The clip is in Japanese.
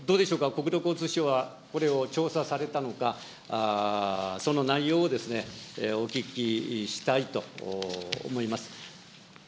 国土交通省は、これを調査されたのか、その内容をお聞きしたいと思います。